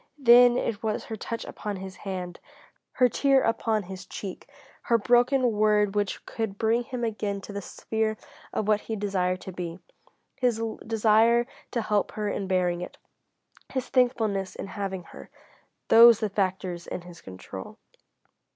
Then it was her touch upon his hand, her tear upon his cheek, her broken word which could bring him again into the sphere of what he desired to be. His desire to help her in bearing it, his thankfulness in having her, those the factors in his control.